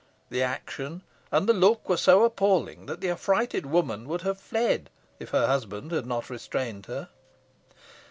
The action and the look were so appalling, that the affrighted woman would have fled if her husband had not restrained her.